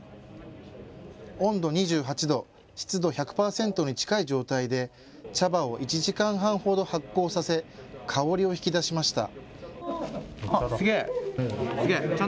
温度２８度、湿度１００％に近い状態で茶葉を１時間半ほど発酵させ、香りを引き出しました。